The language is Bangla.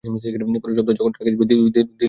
পরের সপ্তাহে যখন ট্রাক আসবে দিল্লি থেকে।